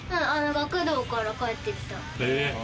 学童から帰ってきた。